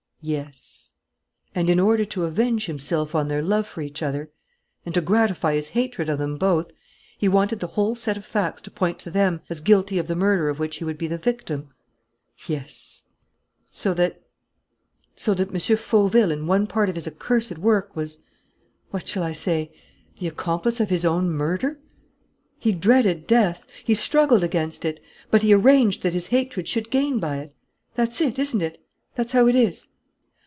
"Yes." "And, in order to avenge himself on their love for each other and to gratify his hatred of them both, he wanted the whole set of facts to point to them as guilty of the murder of which he would be the victim?" "Yes." "So that so that M. Fauville, in one part of his accursed work, was what shall I say? the accomplice of his own murder. He dreaded death. He struggled against it. But he arranged that his hatred should gain by it. That's it, isn't it? That's how it is?"